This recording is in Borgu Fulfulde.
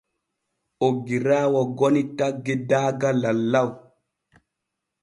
Oggiraawo goni taggi daaga lallaw.